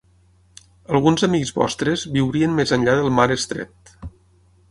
Alguns amics vostres viurien més enllà del mar Estret.